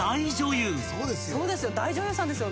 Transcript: そうですよ。